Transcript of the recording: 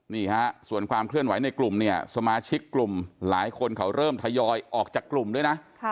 นี่ฮะส่วนความเคลื่อนไหวในกลุ่มเนี่ยสมาชิกกลุ่มหลายคนเขาเริ่มทยอยออกจากกลุ่มด้วยนะ